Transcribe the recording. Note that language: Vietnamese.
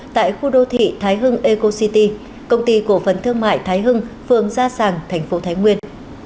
tại khu đô thị thái hưng eco city công ty cổ phần thương mại thái hưng phường gia sàng tp thái nguyên